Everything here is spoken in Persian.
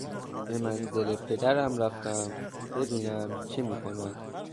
به منزل پدرم رفتم ببینم چه میکند.